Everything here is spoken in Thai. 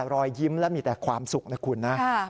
รอยยิ้มและมีแต่ความสุขนะคุณนะ